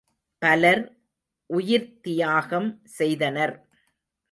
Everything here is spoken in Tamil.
பலர் உயிர்த்தியாகம் செய்தனர்.